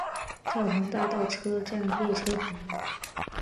教堂大道车站列车服务。